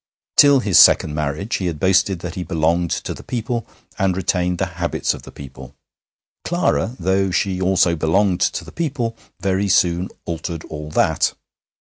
Till his second marriage he had boasted that he belonged to the people and retained the habits of the people. Clara, though she also belonged to the people, very soon altered all that.